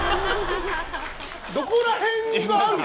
どこら辺があるのよ